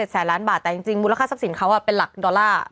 แสนล้านบาทแต่จริงมูลค่าทรัพย์สินเขาเป็นหลักดอลลาร์